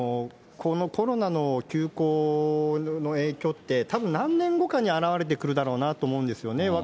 このコロナの休校の影響って、たぶん何年後かに現れてくるんだろうなと思うんですよね。